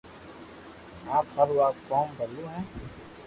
آپ ھارو آ ڪوم ڀلو ھي